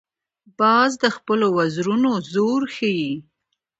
باز د خپلو وزرونو زور ښيي